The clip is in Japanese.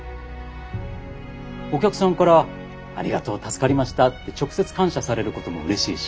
お客さんからありがとう助かりましたって直接感謝されることもうれしいし。